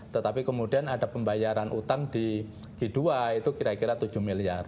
tetapi kemudian ada pembayaran utang di g dua itu kira kira tujuh miliar